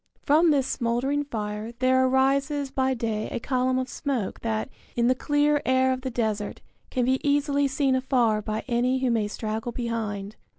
From this smouldering fire there arises by day a column of smoke that, in the clear air of the desert, can be easily seen afar by any who may straggle behind.